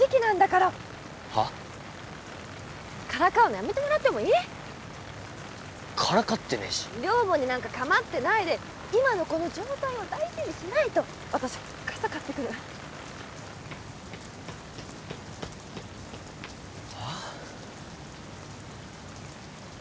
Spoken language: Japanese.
からかうのやめてもらってもいい？からかってねえし寮母になんかかまってないで今のこの状態を大事にしないと私傘買ってくるはあ？